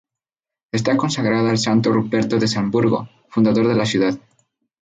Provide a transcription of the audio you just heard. Está consagrada al santo Ruperto de Salzburgo, fundador de la ciudad.